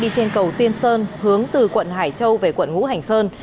cầu tiên sơn hướng từ quận hải châu về quận ngũ hành sơn